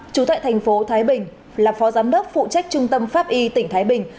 trú tại thành phố thái bình là phó giám đốc phụ trách trung tâm pháp y tỉnh thái bình